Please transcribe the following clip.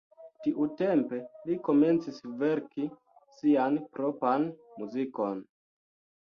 Tiutempe li komencis verki sian propran muzikon.